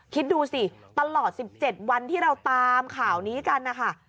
คิดดูสิตลอด๑๗วันที่เราตามข่าวนี้กันนะคะ